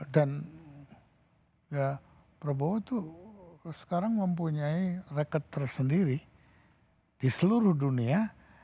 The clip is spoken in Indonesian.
dan ya prabowo itu sekarang mempunyai rekod tersendiri di seluruh dunia